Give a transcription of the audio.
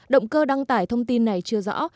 động cơ đăng tải thông tin này chưa rõ